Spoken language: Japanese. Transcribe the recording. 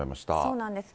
そうなんです。